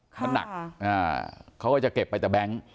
มันหนักเขาก็จะเก็บไปแต่แบงค์